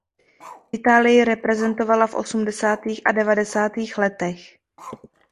Itálii reprezentovala v osmdesátých a devadesátých letech.